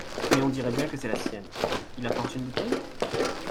Mais on dirait bien que c’est la sienne. Il apporte une bouteille ?